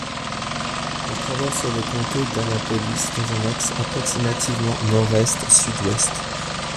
Elle traverse le comté d'Annapolis dans un axe approximativement nord-est–sud-ouest.